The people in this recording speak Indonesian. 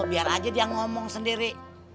biar aja dia ngomong sendiri